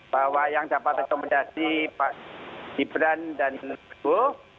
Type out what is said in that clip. bahwa yang dapat rekomendasi pak ibran dan ibu